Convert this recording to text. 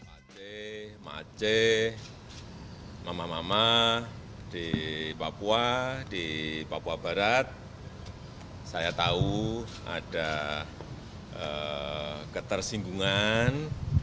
aceh mama aceh mama mama di papua di papua barat saya tahu ada ketersinggungan